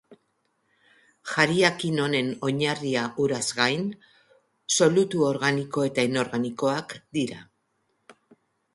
Jariakin honen oinarria uraz gain, solutu organiko eta inorganikoak dira.